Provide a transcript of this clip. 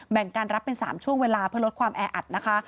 แบ่งการรับเป็น๓ช่วงเวลาเพื่อลดความแออัดนะคะ